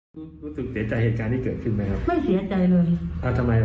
รู้สึกเสียใจเหตุการณ์ที่เกิดขึ้นไหมครับไม่เสียใจเลยอ่าทำไม